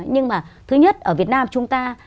nhưng mà thứ nhất ở việt nam chúng ta